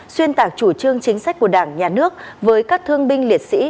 xuyên tạc chủ trương chính sách của đảng nhà nước với các thương binh liệt sĩ